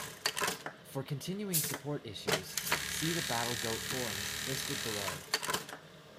For continuing support issues see the BattleGoat Forums listed below.